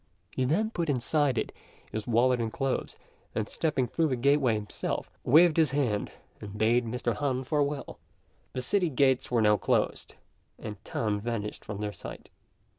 He then put inside it his wallet and clothes, and stepping through the gateway himself, waved his hand and bade Mr. Han farewell. The city gates were now closed, and Tan vanished from their sight.